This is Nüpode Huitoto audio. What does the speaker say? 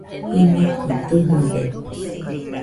Jimekɨ tɨjɨde